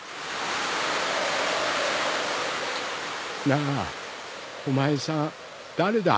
なあお前さん誰だ？